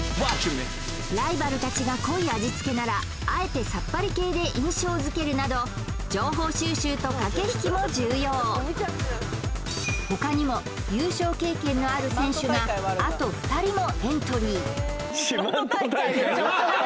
ライバルたちが濃い味付けならあえてさっぱり系で印象づけるなど情報収集と駆け引きも重要ほかにも優勝経験のある選手があと２人もエントリー四万十大会